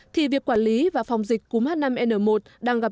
thì việc quản lý và phòng dịch cúm h năm n một đang gặp